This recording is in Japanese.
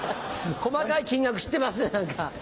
細かい金額知ってますね。